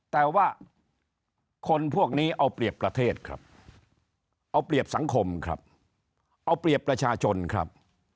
แต่ว่าคนพวกนี้เอาเปรียบประเทศครับเอาเปรียบสังคมครับเอาเปรียบประชาชนครับ